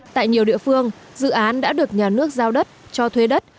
tại nhiều địa phương dự án đã được nhà nước giao đất cho thuê đất